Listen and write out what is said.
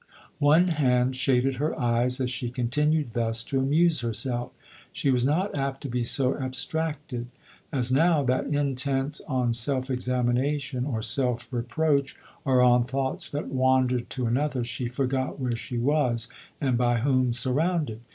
One hand shaded her eyes as she continued thus to amuse herself. She was not apt to be so abstracted ; as now, that intent on self examination, or self reproach, or on thoughts that wandered to another, she forgot where she was, and by whom surrounded.